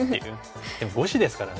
でも５子ですからね。